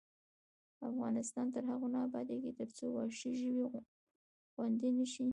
افغانستان تر هغو نه ابادیږي، ترڅو وحشي ژوي خوندي نشي.